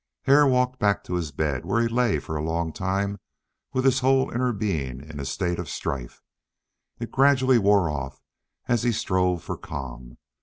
Hare walked back to his bed, where he lay for a long time with his whole inner being in a state of strife. It gradually wore off as he strove for calm.